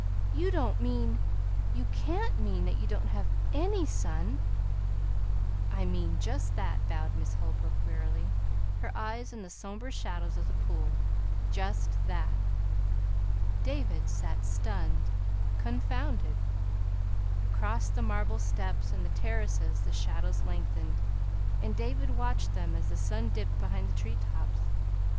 "You don't mean you can't mean that you don't have ANY sun!" "I mean just that," bowed Miss Holbrook wearily, her eyes on the somber shadows of the pool; "just that!" David sat stunned, confounded. Across the marble steps and the terraces the shadows lengthened, and David watched them as the sun dipped behind the tree tops.